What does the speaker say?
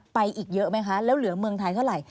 อีกเยอะไหมคะแล้วเหลือเมืองไทยเท่าไหร่